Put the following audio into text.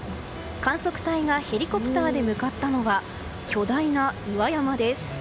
観測隊がヘリコプターで向かったのは巨大な岩山です。